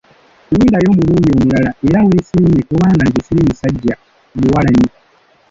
Lindayo omulundi mulala; era weesiimye kubanga nze siri musajja muwalanyi.